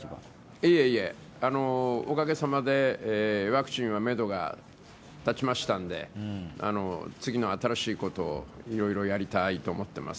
いえいえ、おかげさまでワクチンはめどが立ちましたので、次の新しいことをいろいろやりたいと思っています。